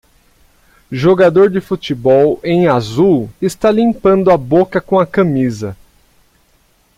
Jogador de futebol em azul está limpando a boca com a camisa